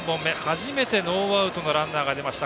初めてノーアウトのランナーが出ました。